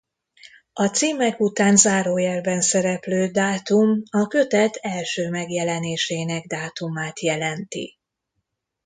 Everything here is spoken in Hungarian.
A címek után zárójelben szereplő dátum a kötet első megjelenésének dátumát jelenti.